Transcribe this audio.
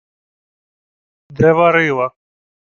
— Де варила?